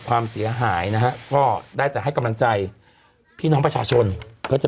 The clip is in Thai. ความเสียหายนะฮะก็ได้แต่ให้กำลังใจพี่น้องประชาชนเพื่อจะ